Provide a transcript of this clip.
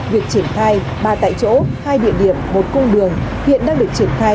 việc triển thai ba tại chỗ hai địa điểm một cung đường hiện đang được triển thai